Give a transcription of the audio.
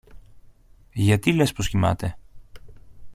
Γιατί λες πως κοιμάται;